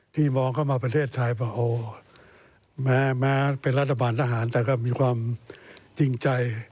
มองเข้ามาประเทศไทยบอกโอ้แม้เป็นรัฐบาลทหารแต่ก็มีความจริงใจ